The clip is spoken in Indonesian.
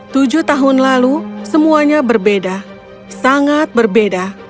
tujuh tahun lalu semuanya berbeda sangat berbeda